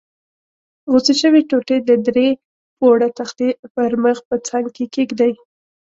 غوڅې شوې ټوټې د درې پوړه تختې پر مخ په څنګ کې کېږدئ.